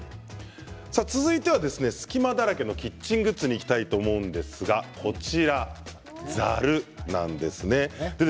続いては隙間だらけのキッチングッズにいきたいと思うんですが、ざるなんです。